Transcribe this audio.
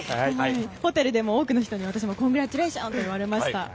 ホテルでも多くの人にコングラジュエーションと言われました。